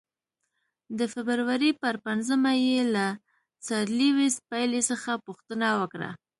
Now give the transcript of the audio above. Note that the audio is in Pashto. د فبرورۍ پر پنځمه یې له سر لیویس پیلي څخه پوښتنه وکړه.